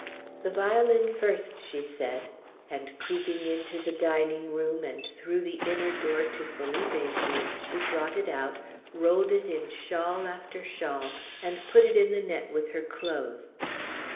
"The violin first!" she said; and creeping into the dining room, and through the inner door to Felipe's room, she brought it out, rolled it in shawl after shawl, and put it in the net with her clothes.